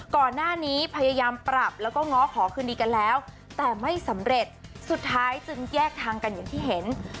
ก่อนหน้านี้พยายามปรับแล้วก็ง้อขอคืนดีกันแล้วแต่ไม่สำเร็จสุดท้ายจึงแยกทางกันอย่างที่เห็น